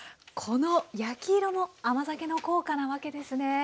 この焼き色も甘酒の効果なわけですね。